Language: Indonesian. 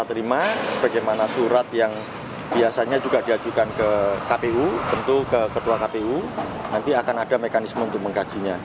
terima kasih surat yang biasanya juga diajukan ke kpu tentu ke ketua kpu nanti akan ada mekanisme untuk mengkajinya